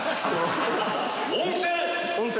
温泉？